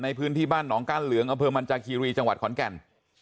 ในพื้นที่บ้านหนองก้านเหลืองอำเภอมันจาคีรีจังหวัดขอนแก่น